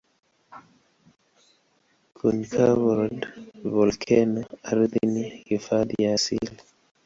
Kuni-covered volkeno ardhini ni hifadhi ya asili.